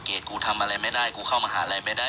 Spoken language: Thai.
เกรดกูทำอะไรไม่ได้กูเข้ามาหาอะไรไม่ได้